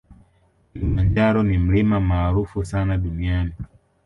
Kilimanjaro ni mlima maarufu sana duniani